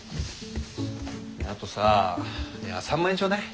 ねえあとさ３万円ちょうだい。